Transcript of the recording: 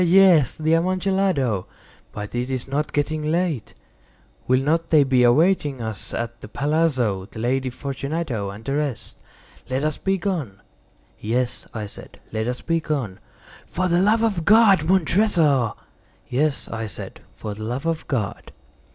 "He! he! he!—he! he! he!—yes, the Amontillado. But is it not getting late? Will not they be awaiting us at the palazzo, the Lady Fortunato and the rest? Let us be gone." "Yes," I said, "let us be gone." "For the love of God, Montressor!" "Yes," I said, "for the love of God!"